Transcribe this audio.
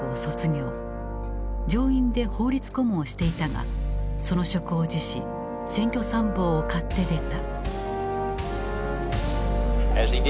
上院で法律顧問をしていたがその職を辞し選挙参謀を買って出た。